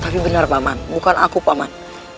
tapi benar paman bukan aku paman